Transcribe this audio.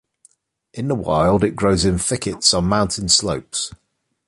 In the wild it grows in thickets on mountain slopes.